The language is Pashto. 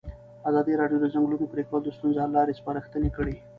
ازادي راډیو د د ځنګلونو پرېکول د ستونزو حل لارې سپارښتنې کړي.